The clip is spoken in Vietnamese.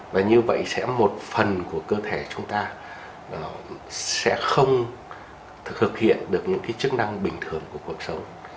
và như vậy sẽ một phần của cơ thể chúng ta sẽ không thực hiện được những cái chức năng bình thường của cuộc sống